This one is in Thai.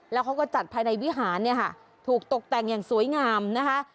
แล้วเขาก็จัดภายในวิหารเนี่ยค่ะถูกตกแต่งอย่างสวยงามนะคะ